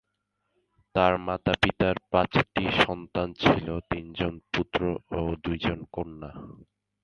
তার মাতা-পিতার পাঁচটি সন্তান ছিল: তিনজন পুত্র ও দুইজন কন্যা।